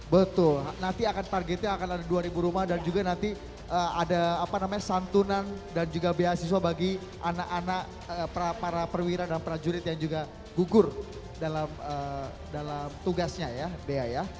betul nanti akan targetnya dua ribu rumah dan juga nanti ada santunan dan juga beasiswa bagi anak anak para perwira dan para jurid yang juga gugur dalam tugasnya ya